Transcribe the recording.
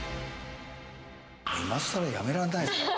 いまさらやめられないですからね。